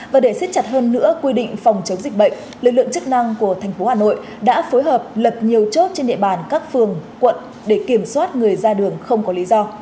và để xích chặt hơn nữa quy định phòng chống dịch bệnh lực lượng chức năng của thành phố hà nội đã phối hợp lập nhiều chốt trên địa bàn các phường quận để kiểm soát người ra đường không có lý do